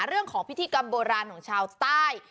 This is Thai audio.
เรื่องของพิธีกรรมโบราณของชาวใต้